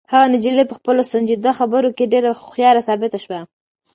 هغه نجلۍ په خپلو سنجیده خبرو کې ډېره هوښیاره ثابته شوه.